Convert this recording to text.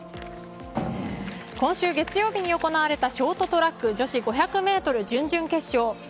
今週月曜日に行われたショートトラック女子５００ｍ準々決勝。